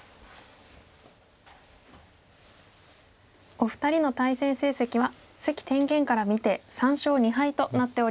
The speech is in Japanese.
お二人の対戦成績は関天元から見て３勝２敗となっております。